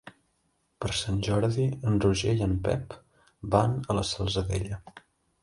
Per Sant Jordi en Roger i en Pep van a la Salzadella.